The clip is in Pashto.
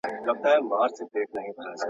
له زلمو شونډو موسكا ده كوچېدلې